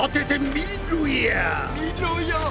みろや！